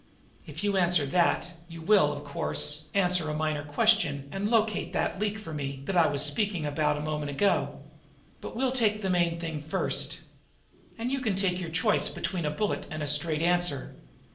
If you answer that, you will, of course, answer a minor question and locate that 'leak', for me, that I was speaking about a moment ago. But we'll take the main thing first. And you can take your choice between a bullet and a straight answer.